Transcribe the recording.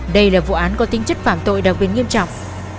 đây là vụ án có tính chất phạm tội đặc biệt nghiêm trọng